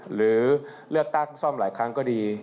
หรือเลือกตั้งซ่อมหลายครั้งก็ดี